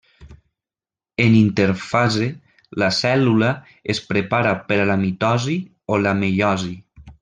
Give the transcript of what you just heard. En interfase, la cèl·lula es prepara per a la mitosi o la meiosi.